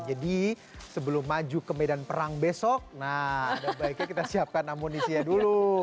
jadi sebelum maju ke medan perang besok nah ada baiknya kita siapkan amunisinya dulu